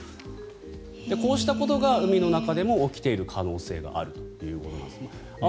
こうしたことが海の中でも起きている可能性があるということです。